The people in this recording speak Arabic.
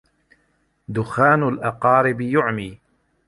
دخان الأقارب يُعمِي